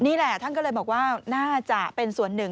นี่แหละท่านก็เลยบอกว่าน่าจะเป็นส่วนหนึ่ง